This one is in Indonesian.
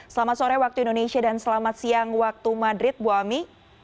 selamat sore waktu indonesia dan selamat siang waktu madrid bu ami